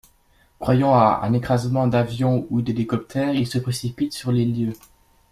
Croyant à un écrasement d'avion ou d'hélicoptère, il se précipite sur les lieux.